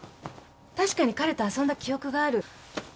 確かに彼と遊んだ記憶がある。